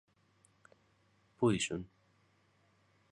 Πού ήσουν;